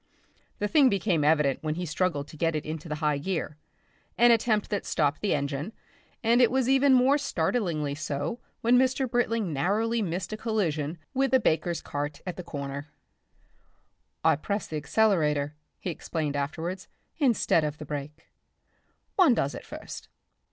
The thing became evident when he struggled to get into the high gear an attempt that stopped the engine, and it was even more startlingly so when Mr. Britling narrowly missed a collision with a baker's cart at a corner. "I pressed the accelerator," he explained afterwards, "instead of the brake. One does at first.